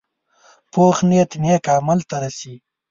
پوخ نیت نیک عمل ته رسي